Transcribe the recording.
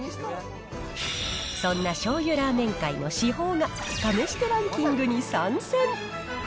そんなしょうゆラーメン界の至宝が、試してランキングに参戦。